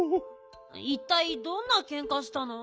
いったいどんなけんかしたの？